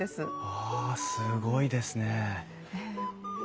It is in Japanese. わあすごいですね。